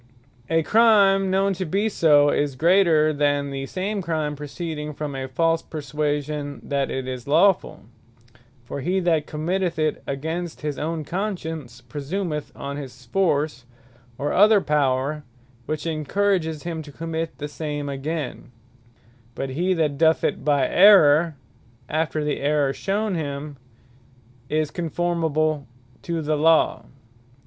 A Crime which we know to be so, is greater than the same Crime proceeding from a false perswasion that it is lawfull: For he that committeth it against his own conscience, presumeth on his force, or other power, which encourages him to commit the same again: but he that doth it by errour, after the errour shewn him, is conformable to the Law.